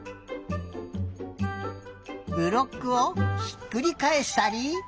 ブロックをひっくりかえしたり。